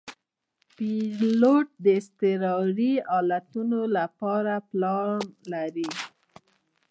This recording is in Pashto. پیلوټ د اضطراري حالتونو لپاره پلان لري.